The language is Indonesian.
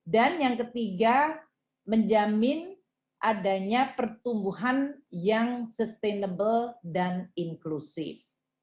dan yang ketiga menjamin adanya pertumbuhan yang sustainable dan inklusif